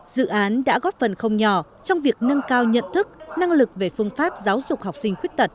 dự án đã góp phần không nhỏ trong việc nâng cao nhận thức năng lực về phương pháp giáo dục học sinh khuyết tật